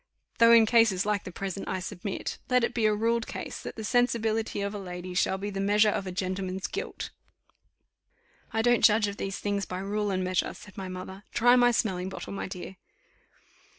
though in cases like the present I submit. Let it be a ruled case, that the sensibility of a lady shall be the measure of a gentleman's guilt." "I don't judge of these things by rule and measure," said my mother: "try my smelling bottle, my dear."